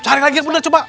cari lagi akuntet coba